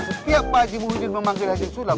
setiap pak haji muhyiddin memanggil haji sulam